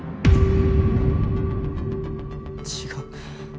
違う。